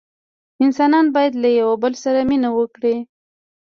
انسانان باید له یوه بل سره مینه وکړي.